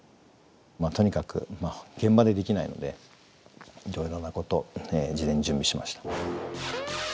とにかく現場でできないのでいろいろなことを事前に準備しました。